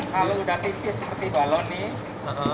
kalau udah tipis seperti balon nih